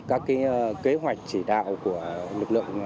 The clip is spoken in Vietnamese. các kế hoạch chỉ đạo của lực lượng